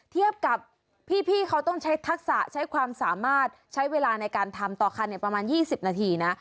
เทียบกับพี่เขาต้องใช้ทักษะใช้ความสามารถใช้เวลาในการทำต่อคันประมาณ๒๐นาทีนะ